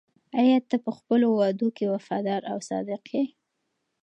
آیا ته په خپلو وعدو کې وفادار او صادق یې؟